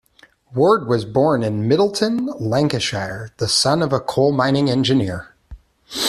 Ward was born in Middleton, Lancashire, the son of a coal mining engineer.